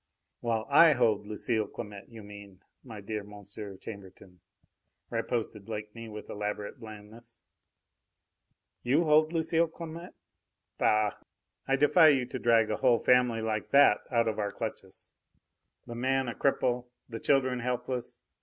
"While I hold Lucile Clamette, you mean, my dear Monsieur Chambertin," riposted Blakeney with elaborate blandness. "You hold Lucile Clamette? Bah! I defy you to drag a whole family like that out of our clutches. The man a cripple, the children helpless!